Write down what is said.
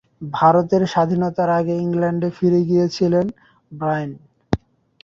ভারতের স্বাধীনতার আগে ইংল্যান্ডে ফিরে গিয়েছিলেন ব্রাইন।